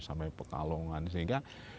sampai petalungan sehingga